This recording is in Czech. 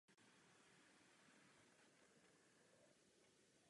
Finančními prostředky se nakonec nešetří.